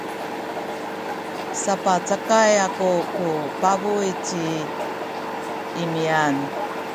sapacakay aku ku pabuy ci Imian.